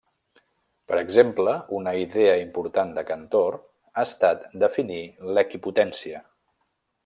Per exemple, una idea important de Cantor ha estat definir l'equipotència.